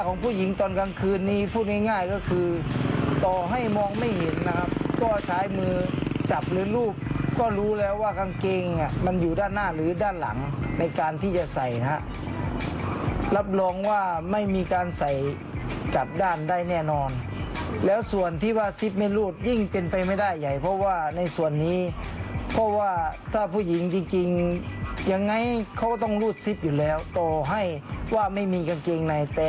ของผู้หญิงตอนกลางคืนนี้พูดง่ายก็คือต่อให้มองไม่เห็นนะครับก็ใช้มือจับหรือรูปก็รู้แล้วว่ากางเกงอ่ะมันอยู่ด้านหน้าหรือด้านหลังในการที่จะใส่นะฮะรับรองว่าไม่มีการใส่กลับด้านได้แน่นอนแล้วส่วนที่ว่าซิปไม่รูดยิ่งเป็นไปไม่ได้ใหญ่เพราะว่าในส่วนนี้เพราะว่าถ้าผู้หญิงจริงยังไงเขาก็ต้องรูดซิปอยู่แล้วต่อให้ว่าไม่มีกางเกงในแต่